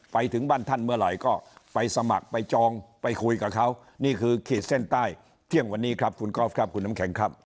ไปถึงบ้านท่านเมื่อไหร่ก็ไปสมัคร